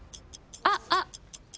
あっあっ。